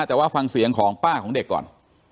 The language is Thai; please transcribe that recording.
แต่ว่าฟังเสียงของป้าของเด็กก่อน